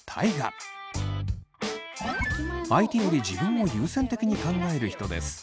相手より自分を優先的に考える人です。